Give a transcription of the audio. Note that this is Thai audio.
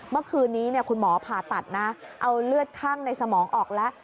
เมื่อคืนนี้คุณหมอผ่าตัดนะเอาเลือดข้างในสมองออกแล้ว